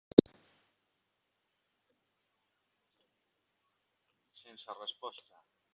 Sense resposta.